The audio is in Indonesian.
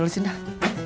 dari sini dah